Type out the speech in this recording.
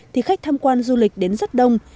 thì khách tham quan du lịch đến rất đông